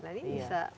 nah ini bisa